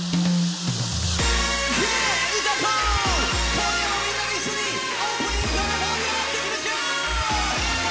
今夜もみんな一緒にオープニングから盛り上がっていきましょう！